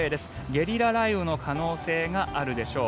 ゲリラ雷雨の可能性があるでしょう。